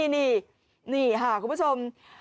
นี่ค่ะคุณผู้ชม